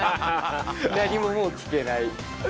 何ももう聞けない。